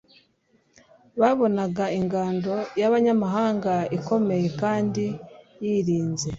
babonaga ingando y'abanyamahanga ikomeye kandi yirinze